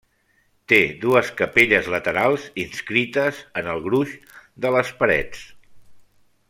Té dues capelles laterals inscrites en el gruix de les parets.